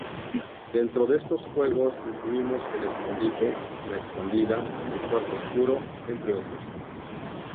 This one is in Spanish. Dentro de estos juegos incluimos el escondite, la escondida, el cuarto oscuro, entre otros.